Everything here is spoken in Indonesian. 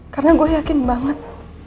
karena gue yakin banget